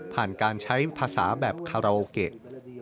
การใช้ภาษาแบบคาราโอเกะ